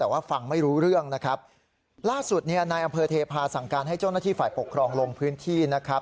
แต่ว่าฟังไม่รู้เรื่องนะครับล่าสุดเนี่ยนายอำเภอเทพาสั่งการให้เจ้าหน้าที่ฝ่ายปกครองลงพื้นที่นะครับ